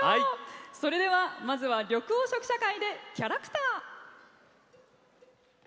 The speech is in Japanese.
それではまずは緑黄色社会で「キャラクター」。